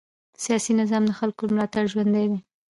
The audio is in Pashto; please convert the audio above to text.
سیاسي نظام د خلکو له ملاتړ ژوندی دی